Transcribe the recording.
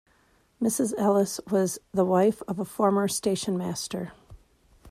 Mrs Ellis was the wife of a former stationmaster.